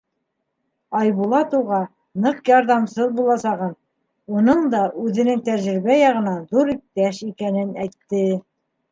Айбулат уға ныҡ ярҙамсыл буласағын, уның да үҙенең тәжрибә яғынан ҙур иптәш икәнен әйтте.